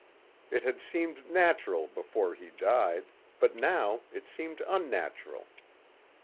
It had seemed natural before he died but now it seemed unnatural.